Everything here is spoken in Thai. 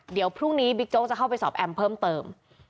เดี๋ยวพรุ่งนี้บิ๊กโจ๊กจะเข้าไปสอบแอมเพิ่มเติม